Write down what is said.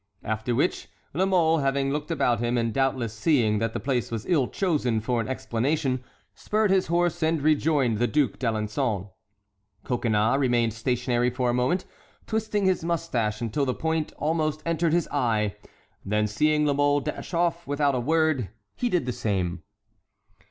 After which, La Mole, having looked about him, and doubtless seeing that the place was ill chosen for an explanation, spurred his horse and rejoined the Duc d'Alençon. Coconnas remained stationary for a moment, twisting his mustache until the point almost entered his eye; then seeing La Mole dash off without a word, he did the same.